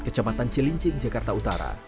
kecamatan cilincing jakarta utara